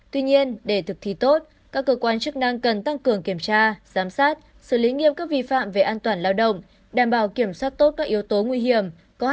tuy nhiên để thực thi tốt các cơ quan chức năng cần tăng cường kiểm tra giám sát xử lý nghiêm các vi phạm về an toàn lao động đảm bảo kiểm soát tốt các yếu tố nguy hiểm